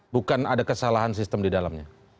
bukan ada kesalahan sistem di dalamnya